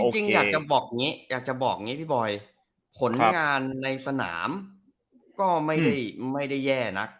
จริงอยากจะบอกอย่างนี้อยากจะบอกอย่างนี้พี่บอยผลงานในสนามก็ไม่ได้แย่นัก